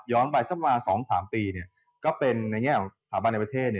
ไปสักประมาณ๒๓ปีก็เป็นในแง่ของสถาบันในประเทศ